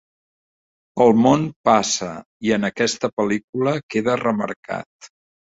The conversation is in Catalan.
El món passa i en aquesta pel·lícula queda remarcat.